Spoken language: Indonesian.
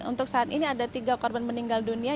untuk saat ini ada tiga korban meninggal dunia